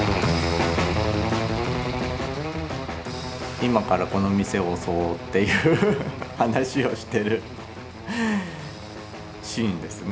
今からこの店を襲おうっていう話をしてるシーンですね。